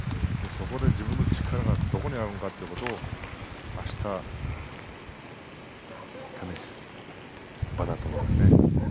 そこで自分の力がどこにあるのかというのをあした試す場だと思いますね。